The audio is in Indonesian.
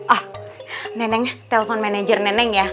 ah neneng telepon manajer neneng ya